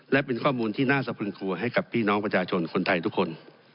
และเป็นข้อมูลที่น่าสะพึงกลัวให้กับพี่น้องประชาชนคนไทยทุกคน